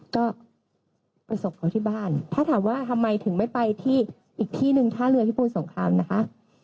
ก็ประสบเขาที่บ้านถ้าถามว่าทำไมถึงไม่ไปที่อีกที่หนึ่งท่าเรือพิบูรสงครามนะคะ